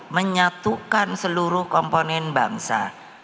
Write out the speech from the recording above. menyatukan seluruh komponen bangsa